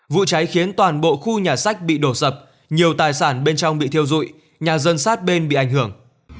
vụ cháy khiến toàn bộ khu nhà sách bị đổ sập nhiều tài sản bên trong bị thiêu dụi nhà dân sát bên bị ảnh hưởng